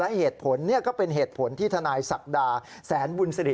และเหตุผลก็เป็นเหตุผลที่ทนายศักดาแสนบุญสิริ